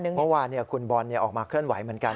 เมื่อวานคุณบอลออกมาเคลื่อนไหวเหมือนกัน